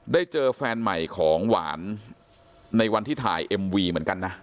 ได้เจอแฟนใหม่ของหวานในวันที่ถ่ายเอ็มวีเหมือนกันนะ